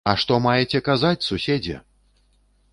А што маеце казаць, суседзе!